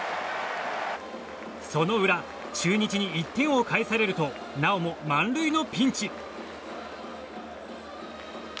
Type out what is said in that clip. その裏、中日に１点を返されるとなおも満塁のピンチ。